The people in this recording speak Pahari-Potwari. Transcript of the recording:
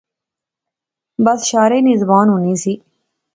بس شارے نی زبان ہونی سی